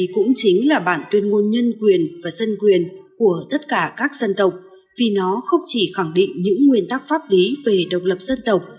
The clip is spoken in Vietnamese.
của tất cả các dân tộc vì nó không chỉ khẳng định những nguyên tắc pháp lý về độc lập dân tộc